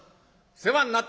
世話になった」。